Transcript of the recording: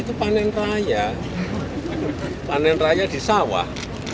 itu panen raya panen raya di sawah